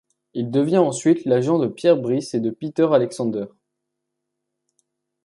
Il devient ensuite l’agent de Pierre Brice et de Peter Alexander.